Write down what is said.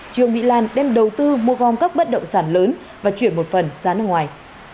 trương mỹ lan đem đầu tư mua gom các bất động sản lớn và chuyển một phần ra nước ngoài